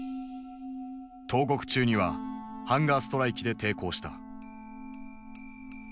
投獄中にはハンガーストライキで抵抗した。